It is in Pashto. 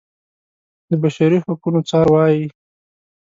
د بشري حقونو څار وايي.